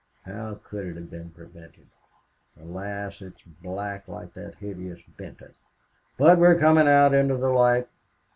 How could it have been prevented? Alas! it's black like that hideous Benton... But we're coming out into the light.